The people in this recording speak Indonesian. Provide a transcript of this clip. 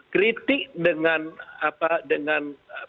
kritik dengan fitnah